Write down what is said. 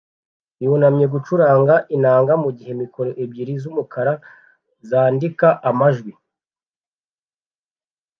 yunamye gucuranga inanga mu gihe mikoro ebyiri z'umukara zandika amajwi